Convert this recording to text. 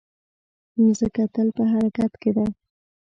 مځکه تل په حرکت کې ده.